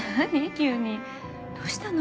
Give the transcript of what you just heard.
急にどうしたの？